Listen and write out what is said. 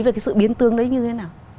về cái sự biến tương đấy như thế nào